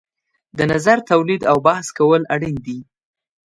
د نظر تولید او بحث کول اړین دي.